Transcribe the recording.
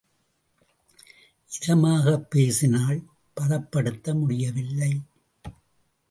இதமாகப் பேசினாள் பதப்படுத்த முடியவில்லை.